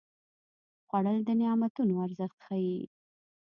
خوړل د نعمتونو ارزښت ښيي